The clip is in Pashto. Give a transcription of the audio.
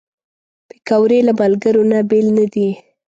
پکورې له ملګرو نه بېل نه دي